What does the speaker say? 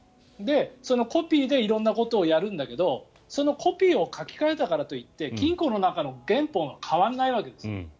そのコピーで色んなことをやるんだけどそのコピーを書き換えたからといって金庫の中の原本は変わらないわけです。